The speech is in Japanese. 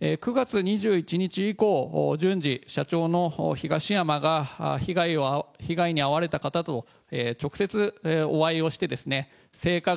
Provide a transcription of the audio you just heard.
９月２１日以降、順次、社長の東山が被害に遭われた方と直接お会いをして、性加害、